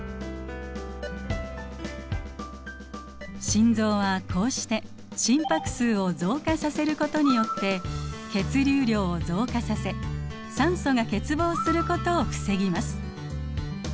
心臓はこうして心拍数を増加させることによって血流量を増加させ酸素が欠乏することを防ぎます。